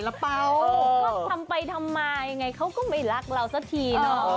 เราไปตรงรุ่นบินอย่างนี้